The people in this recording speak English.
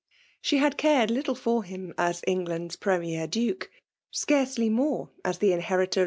She had cared little for him as England's pi^e'mier Duke ; scarcely more as the inheritor VOL.